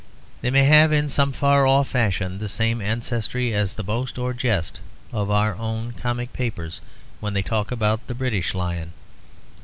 They may have in some far off fashion the same ancestry as the boast or jest of our own comic papers when they talk about the British Lion.